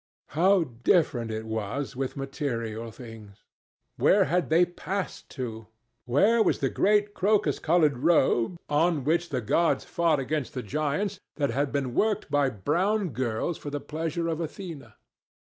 How different it was with material things! Where had they passed to? Where was the great crocus coloured robe, on which the gods fought against the giants, that had been worked by brown girls for the pleasure of Athena?